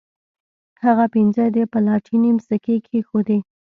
هغه پنځه د پلاټینم سکې کیښودې.